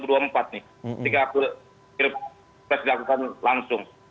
ketika pilpres dilakukan langsung